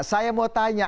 saya mau tanya